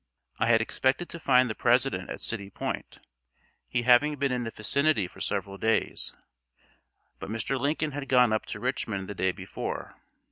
I had expected to find the President at City Point, he having been in the vicinity for several days, but Mr. Lincoln had gone up to Richmond the day before.